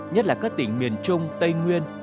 nhất là các tỉnh miền trung tây nguyên